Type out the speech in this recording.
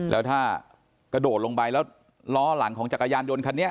แล้วถ้ากระโดดลงไปแล้วล้อหลังของจักรยานยนต์คันนี้